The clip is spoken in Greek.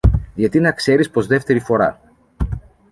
γιατί να ξέρεις πως δεύτερη φορά